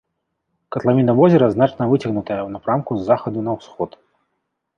Катлавіна возера значна выцягнутая ў напрамку з захаду на ўсход.